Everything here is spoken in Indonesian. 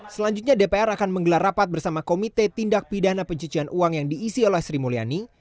selanjutnya dpr akan menggelar rapat bersama komite tindak pidana pencucian uang yang diisi oleh sri mulyani